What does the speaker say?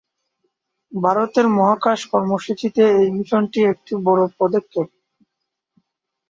ভারতের মহাকাশ কর্মসূচিতে এই মিশনটি একটি বড়ো পদক্ষেপ।